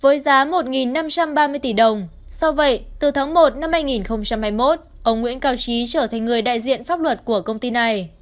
với giá một năm trăm ba mươi tỷ đồng do vậy từ tháng một năm hai nghìn hai mươi một ông nguyễn cao trí trở thành người đại diện pháp luật của công ty này